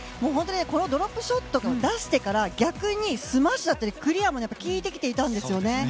ドロップショットを出してから逆にスマッシュだったりクリアも効いてきていたんです。